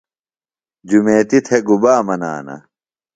جُمیتی تھےۡ گُبا منانہ؟